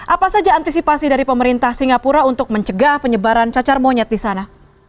apa saja antisipasi dari pemerintah singapura untuk mencegah penyebaran cacar monyet di sana